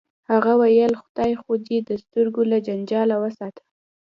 هغه ویل خدای خو دې د سترګو له جنجاله وساته